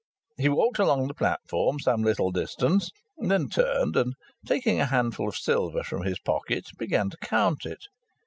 He walked along the platform some little distance, then turned, and taking a handful of silver from his pocket, began to count it.